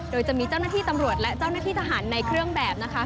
โดยจะมีเจ้าหน้าที่ตำรวจและเจ้าหน้าที่ทหารในเครื่องแบบนะคะ